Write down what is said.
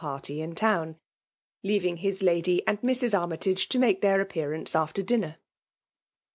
parly in town; leaving his lady and lira Armytage to make tkeir appeaiaaoe after dtaner.